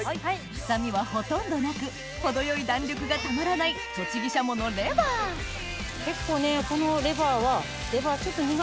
臭みはほとんどなく程よい弾力がたまらない栃木しゃものレバー結構ねこの。